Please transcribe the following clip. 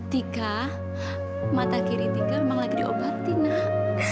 tika mata kiri tika memang lagi diobati nak